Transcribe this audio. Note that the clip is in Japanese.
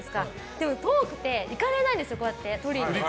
でも、遠くて行かれないんですよ、取りに。